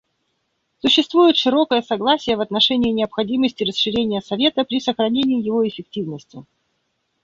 Существует широкое согласие в отношении необходимости расширения Совета при сохранении его эффективности.